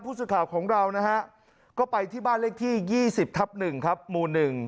พูดสุดข่าวของเรานะฮะก็ไปที่บ้านเลขที่๒๐ทัพ๑มู๑